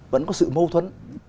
vẫn có sự mâu thuẫn